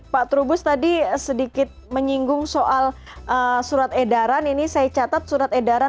pak trubus tadi sedikit menyinggung soal surat edaran ini saya catat surat edaran